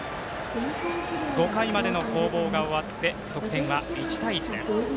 ５回までの攻防が終わって得点は１対１です。